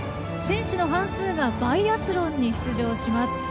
選手の半数がバイアスロンに出場します。